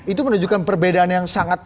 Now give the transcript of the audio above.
itu menunjukkan perbedaan yang sangat